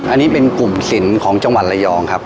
อันนี้เป็นกลุ่มสินของจังหวัดระยองครับ